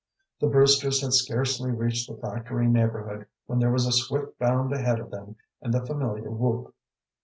The Brewsters had scarcely reached the factory neighborhood when there was a swift bound ahead of them and the familiar whoop.